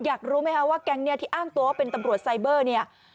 อยากรู้ไหมคะว่าแก๊งนี้ที่อ้างตัวว่าเป็นตำรวจไซเบอร์เนี่ย